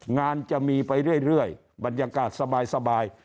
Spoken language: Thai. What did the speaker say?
งานจะมีไปเรื่อยบรรยากาศสบาย